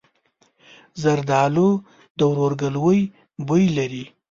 زردالو د ورورګلوۍ بوی لري.